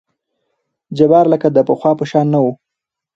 جبار لکه د پخوا په شان نه وو.